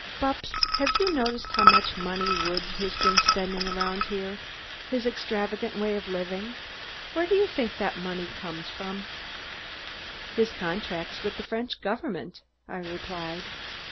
"Bupps, have you noticed how much money Woods has been spending around here his extravagant way of living? Where do you think that money comes from?" "His contracts with the French Government," I replied.